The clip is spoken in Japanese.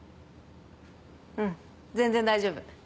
うん全然大丈夫。